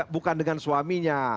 bukan dengan suaminya